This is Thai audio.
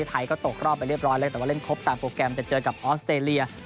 ไทยก็ตกรอบไปเรียบร้อยแล้วแต่ว่าเล่นครบตามโปรแกรมจะเจอกับออสเตรเลีย